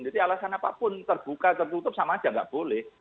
jadi alasan apapun terbuka tertutup sama aja nggak boleh